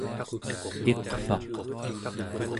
iqvaq